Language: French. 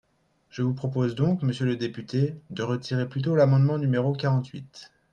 Je vous propose donc, monsieur le député, de retirer plutôt l’amendement numéro quarante-huit.